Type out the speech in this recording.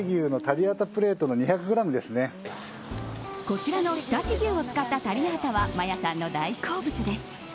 こちらの常陸牛を使ったタリアータはマヤさんの大好物です。